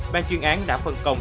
ban chuyên án đã phân công